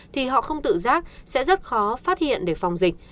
thì họ không tự giác sẽ rất khó phát hiện để phòng dịch